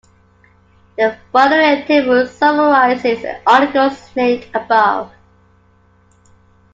The following table summarizes the articles linked above.